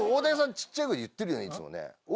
小っちゃく言ってるよねいつもね。